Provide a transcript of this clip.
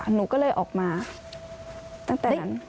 หนูก็เลยออกมาตั้งแต่นั้น